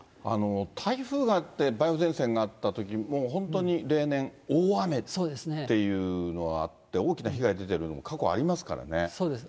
台風があって、梅雨前線があったとき、もう本当に例年、大雨っていうのがあって、大きな被害出てるの、過去ありますからそうです。